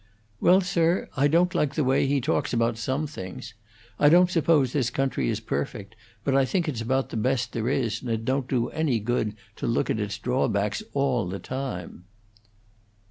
"Well, sir, I don't like the way he talks about some things. I don't suppose this country is perfect, but I think it's about the best there is, and it don't do any good to look at its drawbacks all the time."